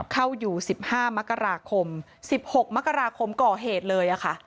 เข้าอยู่สิบห้ามกราคมสิบหกมกราคมก่อเหตุเลยอะค่ะ